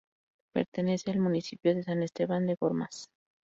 Pertenece al municipio de San Esteban de Gormaz.